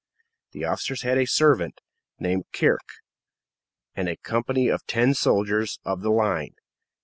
The officers had a servant, named Kirke, and a company of ten soldiers of the line.